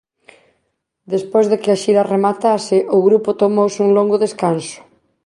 Despois de que a xira rematase o grupo tomouse un longo descanso.